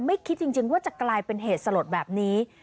คิดจริงว่าจะกลายเป็นเหตุสลดแบบนี้